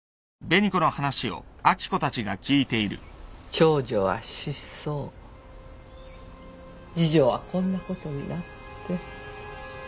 長女は失踪次女はこんなことになって。